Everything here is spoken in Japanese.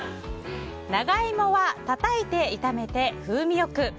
長イモはたたいて炒めて風味よく！